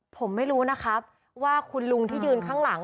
ผมไม่รู้นะครับว่าคุณลุงที่ยืนข้างหลัง